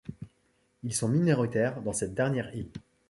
Ils sont minoritaires dans cette dernière île.